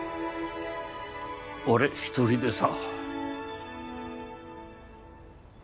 俺一人でさ。